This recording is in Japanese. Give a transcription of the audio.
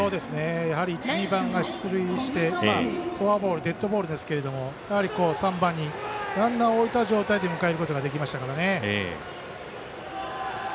やはり１、２番が出塁してフォアボールデッドボールですけど３番をランナーを置いた状態で迎えることができましたからね。